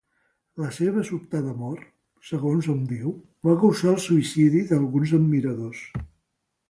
La seva sobtada mort, segons hom diu, va causar el suïcidi d'alguns admiradors.